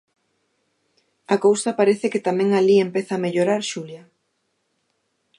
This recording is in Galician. A cousa parece que tamén alí empeza a mellorar Xulia.